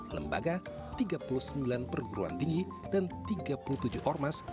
lembaga tiga puluh sembilan perguruan tinggi dan tiga puluh tujuh ormas